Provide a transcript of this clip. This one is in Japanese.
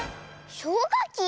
しょうかき？